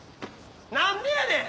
何でやねん！